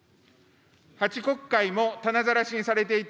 ８国会も棚ざらしにされていた